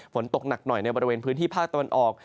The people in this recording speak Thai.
ฝนตกหนักหน่อยในบริเวณพื้นที่ภาคตะวันออก